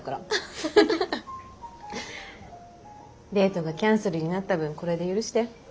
デートがキャンセルになった分これで許して。